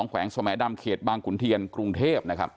แขวงสมดำเขตบางขุนเทียนกรุงเทพนะครับ